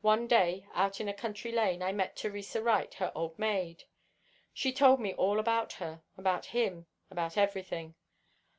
One day out in a country lane I met Theresa Wright, her old maid. She told me about her, about him, about everything.